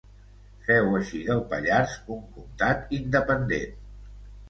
Féu així del Pallars un comtat independent.